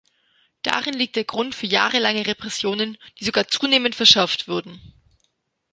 Darin liegt der Grund für jahrelange Repressionen, die sogar zunehmend verschärft wurden.